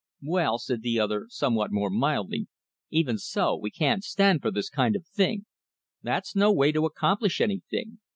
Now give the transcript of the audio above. "Well," said the other, somewhat more mildly, "even so, we can't stand for this kind of thing. That's no way to accomplish anything.